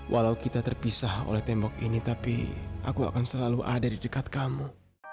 walau kita terpisah oleh tembok ini tapi aku akan selalu ada di dekat kamu